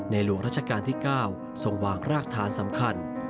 หลวงราชการที่๙ทรงวางรากฐานสำคัญ